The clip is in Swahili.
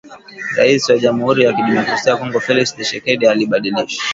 Raisi wa jamhuri ya kidemokrasia ya Kongo Felix Thisekedi alibadilisha